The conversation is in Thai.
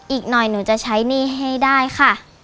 อีกหน่อยหนูจะใช้หนี้ให้ได้ค่ะ